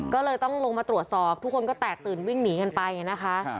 ก็เลยต้องลงมาตรวจสอบทุกคนก็แตกตื่นวิ่งหนีกันไปนะคะ